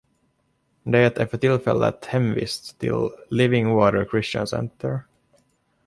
Det är för tillfället hemvist till Living Water Christian Center.